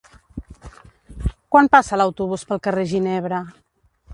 Quan passa l'autobús pel carrer Ginebra?